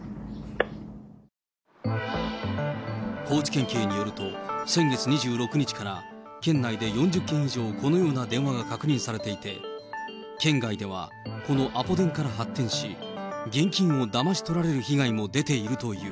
高知県警によると、先月２６日から、県内で４０件以上、このような電話が確認されていて、県外ではこのアポ電から発展し、現金をだまし取られる被害も出ているという。